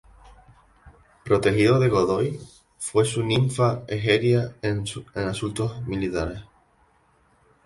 Protegido de Godoy, fue su ninfa Egeria en asuntos militares.